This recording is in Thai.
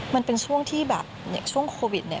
มันเป็นช่วงที่แบบช่วงโควิดเนี่ย